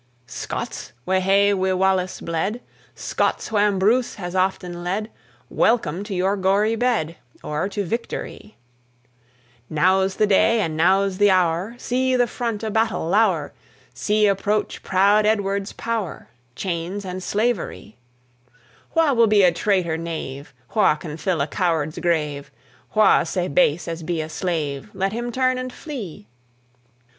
(1759 96.) Scots, wha hae wi' Wallace bled, Scots, wham Bruce has aften led; Welcome to your gory bed, Or to victorie. Now's the day, and now's the hour; See the front o' battle lower; See approach proud Edward's power Chains and slaverie! Wha will be a traitor knave? Wha can fill a coward's grave? Wha sae base as be a slave? Let him turn and flee!